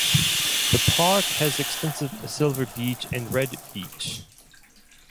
The park has extensive silver beech and red beech.